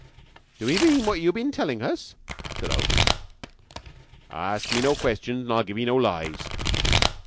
"Do 'ee mean what you'm been tellin' us?" said Oke. "Ask me no questions, I'll give 'ee no lies.